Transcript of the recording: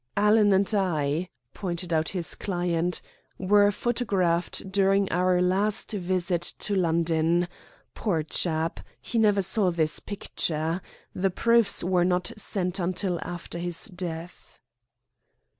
"Alan and I," pointed out his client, "were photographed during our last visit to London. Poor chap! He never saw this picture. The proofs were not sent until after his death."